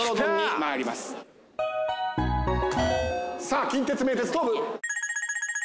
さあ近鉄・名鉄・東武。